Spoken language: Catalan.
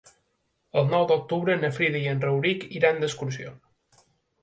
El nou d'octubre na Frida i en Rauric iran d'excursió.